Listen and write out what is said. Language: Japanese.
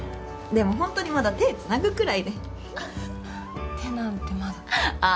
でもホントにまだ手つなぐくらいで手なんてまだああ